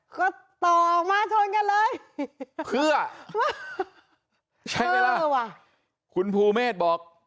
ก็ต่อมาชนกันเลยเพื่อใช่ไหมล่ะคุณภูเมษบอก